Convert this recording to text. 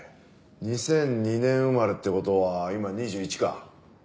２００２年生まれって事は今２１か。